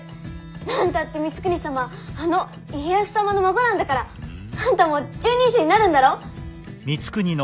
何たって光圀様はあの家康様の孫なんだから！あんたも拾人衆になるんだろ？